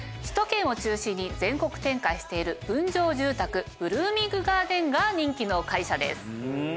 首都圏を中心に全国展開している分譲住宅ブルーミングガーデンが人気の会社です。